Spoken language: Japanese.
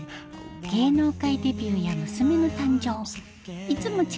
芸能界デビューや娘の誕生いつも